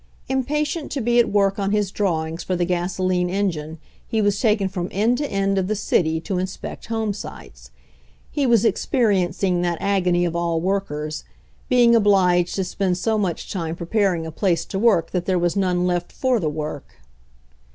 Impatient to be at work on his drawings for the gasoline engine, he was taken from end to end of the city to inspect homesites. He was ex periencing that agony of all workers, being 1 obliged to spend so much time preparing a place to work that there was none left for the work.